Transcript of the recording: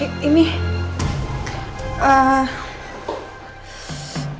terus aku angkat